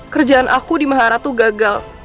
kerjaan aku di maharatu gagal